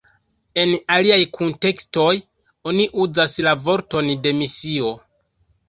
En aliaj kuntekstoj oni uzas la vorton "demisio".